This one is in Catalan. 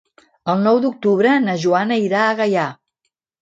El nou d'octubre na Joana irà a Gaià.